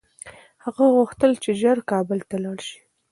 هغه غوښتل چي ژر کابل ته لاړ شي.